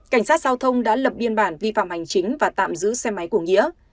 cảnh sát giao thông đã lập biên bản vi phạm hành chính và tạm giữ xe máy của nghĩa